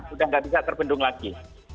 sudah tidak bisa terbendung lagi